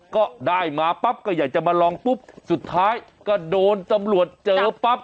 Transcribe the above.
ก็ได้มาปั๊บก็อยากจะมาลองปุ๊บสุดท้ายก็โดนตำรวจเจอปั๊บ